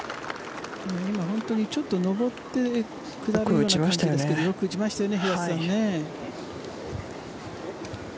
今、本当に上って下るような感じだったんですけどよく打ちましたよね。